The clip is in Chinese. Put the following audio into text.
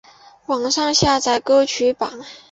网上下载歌曲榜